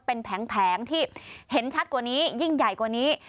เป็นแผงที่เห็นชัดกว่านี้ยิ่งใหญ่กว่านี้